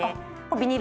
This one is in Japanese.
ビニール